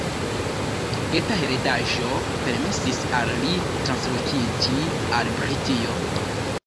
Eta heredaĵo permesis al li translokiĝi al Britio.